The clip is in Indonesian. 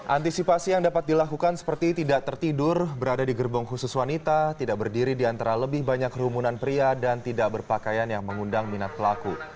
antisipasi yang dapat dilakukan seperti tidak tertidur berada di gerbong khusus wanita tidak berdiri di antara lebih banyak kerumunan pria dan tidak berpakaian yang mengundang minat pelaku